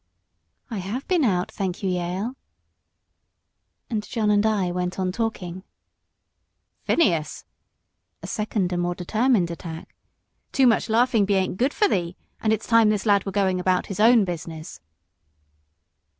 "I have been out, thank you, Jael." And John and I went on talking. "Phineas!" a second and more determined attack "too much laughing bean't good for thee; and it's time this lad were going about his own business."